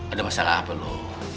ada masalah apa lo